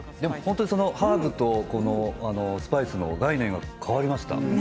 ハーブとスパイスの概念が変わりました。